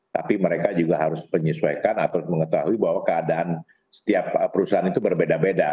tapi mereka juga harus menyesuaikan atau mengetahui bahwa keadaan setiap perusahaan itu berbeda beda